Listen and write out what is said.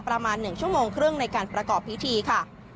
ประมาณ๑ชั่วโมงครึ่งในการประกอบพิธีค่ะ